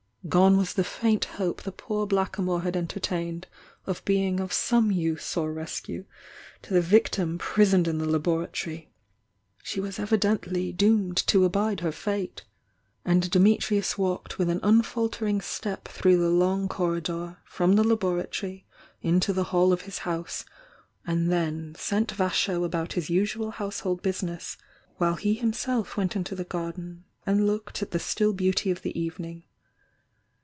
Gone was the faint hope the poor blackamoor had entertained of being of some use or rescue to the victim prisoned in the laboratory,— she was evidently doomed to abide her fate. And Dimitrius walked with an un faltermg step through the long corridor from the laboratory into the hall of his house, and then sent Vasho about his usual household business, while he himself went into the garden and looked at the still beauty of the evening.